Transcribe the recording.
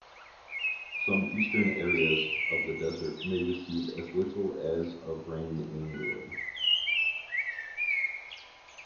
Some eastern areas of the desert may receive as little as of rain annually.